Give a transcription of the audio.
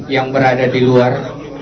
yang berada di luar